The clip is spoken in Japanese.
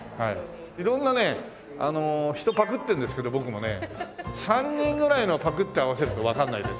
色んな人をパクってるんですけど僕もね３人ぐらいのをパクって合わせるとわかんないですね